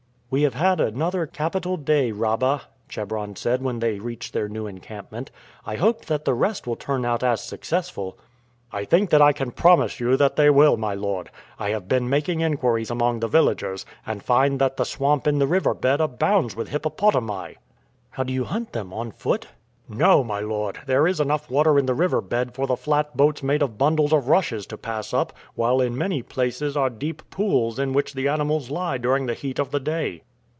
"We have had another capital day, Rabah," Chebron said when they reached their new encampment. "I hope that the rest will turn out as successful." "I think that I can promise you that they will, my lord. I have been making inquiries among the villagers, and find that the swamp in the river bed abounds with hippopotami." "How do you hunt them on foot?" "No, my lord. There is enough water in the river bed for the flat boats made of bundles of rushes to pass up, while in many places are deep pools in which the animals lie during the heat of the day."